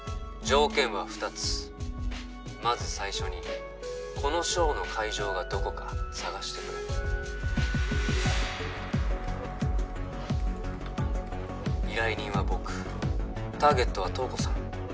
条件は２つまず最初にこのショーの会場がどこか捜してくれ依頼人は僕ターゲットは東子さん